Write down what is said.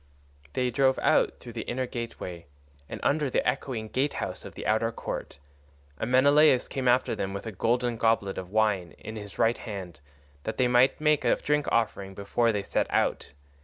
They drove out through the inner gateway and under the echoing gatehouse of the outer court, and Menelaus came after them with a golden goblet of wine in his right hand that they might make a drink offering before they set out.